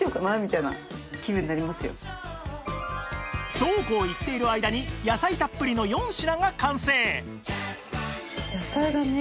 そうこう言っている間に野菜たっぷりの４品が完成！